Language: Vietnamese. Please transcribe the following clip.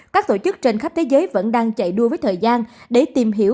các tổ chức trên khắp thế giới vẫn đang chạy đua với thời gian để tìm hiểu